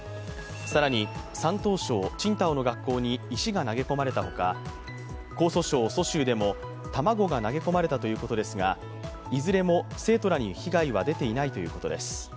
更に山東省青島の学校に石が投げ込まれたほか江蘇省蘇州でも、卵が投げ込まれたということですが、いずれも生徒らに被害は出ていないということです。